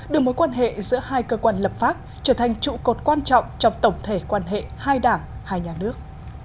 đưa mối quan hệ giữa hai cơ quan lập pháp trở thành trụ cột quan trọng trong tổng thể quan hệ hai đảng hai nhà nước